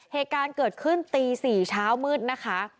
เหตุการณ์เกิดขึ้นตี๔เช้ามืดนะคะ